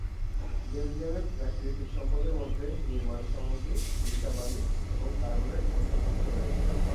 বেলজিয়ামের প্রাকৃতিক সম্পদের মধ্যে নির্মাণ সামগ্রী, সিলিকা বালি এবং কার্বনেট অন্তর্ভুক্ত রয়েছে।